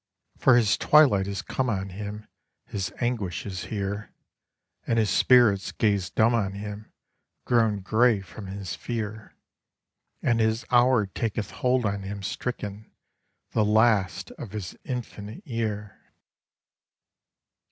For his twilight is come on him, His anguish is here; And his spirits gaze dumb on him, Grown grey from his fear; And his hour taketh hold on him stricken, the last of his infinite year.